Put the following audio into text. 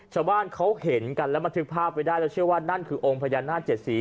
ชาวบ้านเขาเห็นกันแล้วบันทึกภาพไว้ได้แล้วเชื่อว่านั่นคือองค์พญานาคเจ็ดสี